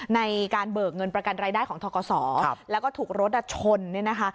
ในการเบิกเงินประกันรายได้ของทกศแล้วก็ถูกรถชนเนี่ยนะคะ